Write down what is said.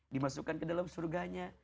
dimasukkan ke dalam surganya